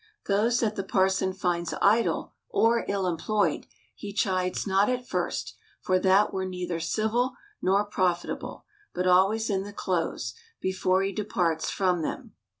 Those that the parson finds idle or ill employed, he chides not at first, for that were neither civil nor profit able ; but always in the close, before he departs from them.